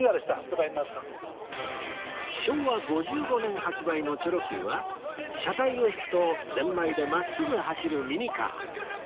昭和５５年発売のチョロ Ｑ は車体を引くとゼンマイで真っすぐ走るミニカー